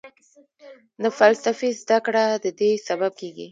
د فلسفې زده کړه ددې سبب کېږي.